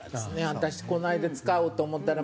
私この間使おうと思ったら難しい。